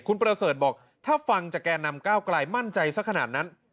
คุณประเสริฐบอกถ้าฟังจากแก่นำก้าวกลายมั่นใจสักขนาดนั้น